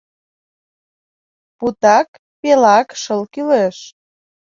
Путак пелак шыл кӱлеш.